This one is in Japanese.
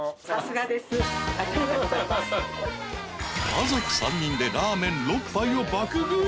［家族３人でラーメン６杯を爆食い。